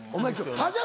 パジャマ。